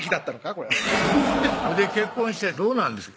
これほいで結婚してどうなんですか？